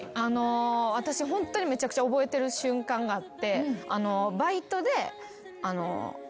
私ホントにめちゃくちゃ覚えてる瞬間があって。